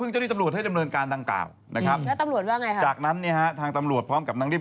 จากนั้นทางตำรวจพร้อมกับนางเรียม